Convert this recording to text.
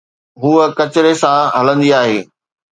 هوءَ ڪچري سان هلندي آهي.